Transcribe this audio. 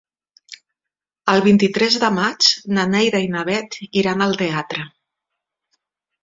El vint-i-tres de maig na Neida i na Bet iran al teatre.